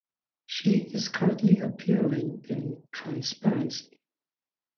She is currently appearing in "Transparency".